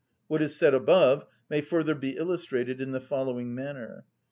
What is said above may further be illustrated in the following manner.